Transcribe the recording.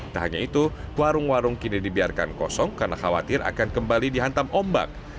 tak hanya itu warung warung kini dibiarkan kosong karena khawatir akan kembali dihantam ombak